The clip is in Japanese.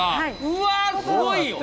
うわすごいよ！